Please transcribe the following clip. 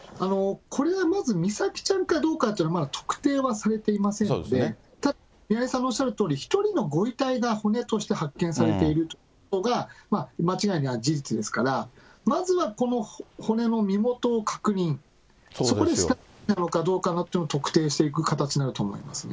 これはまず美咲ちゃんかどうかというのは特定はされていませんので、ただ宮根さんもおっしゃるとおり、１人のご遺体が骨として発見されているというのは間違いない事実ですから、まずはこの骨の身元を確認、そこで、かどうかというのを特定していく形になると思いますね。